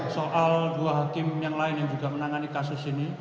soal dua hakim yang lain yang juga menangani kasus ini